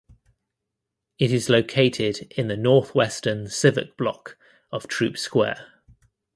It is located in the northwestern civic block of Troup Square.